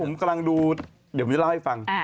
กำลังดูอาจมีไว้ฟัง